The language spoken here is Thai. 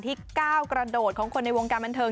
ก้าวกระโดดของคนในวงการบันเทิง